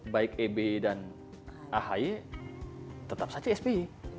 baik ebe dan ahy tetap saja spi